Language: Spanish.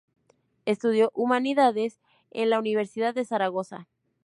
Estudió Humanidades en la Universidad de Zaragoza.